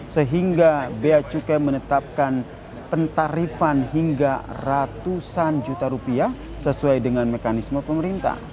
sehingga bea cukai menetapkan pentarifan hingga ratusan juta rupiah sesuai dengan mekanisme pemerintah